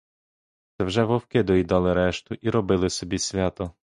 Це вже вовки доїдали решту і робили собі свято.